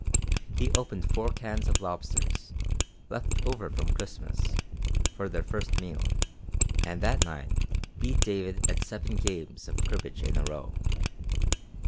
He opened four cans of lobsters, left over from Christmas, for their first meal, and that night beat David at seven games of cribbage in a row.